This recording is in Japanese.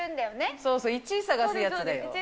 そうそう、１位探すやつだよ。